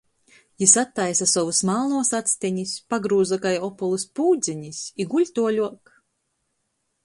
Jis attaisa sovys malnuos actenis, pagrūza kai opolys pūdzenis, i guļ tuoļuok.